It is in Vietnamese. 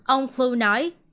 ông klu nói